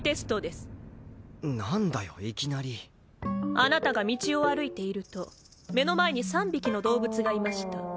あなたが道を歩いていると目の前に３匹の動物がいました。